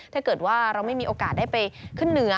ถ้าเกิดว่าเราไม่มีโอกาสได้ไปขึ้นเหนือ